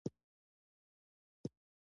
افغانستان زما کور دی.